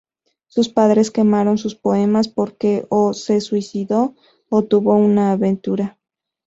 Sus padres quemaron sus poemas porque, o se suicidó, o tuvo una aventura.